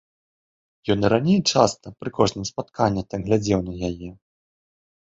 Ён і раней, часта, пры кожным спатканні так глядзеў на яе.